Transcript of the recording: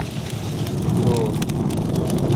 دو